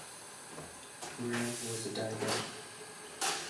Ram was a diabetic.